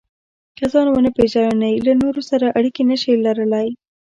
که ځان ونه پېژنئ، له نورو سره اړیکې نشئ لرلای.